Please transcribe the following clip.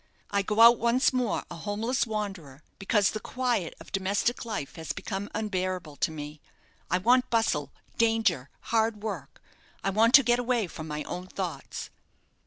I go out once more a homeless wanderer, because the quiet of domestic life has become unbearable to me. I want bustle, danger, hard work. I want to get away from my own thoughts."